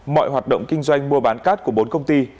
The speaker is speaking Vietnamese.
mọi hoạt động kinh doanh mua bán cát của bốn công ty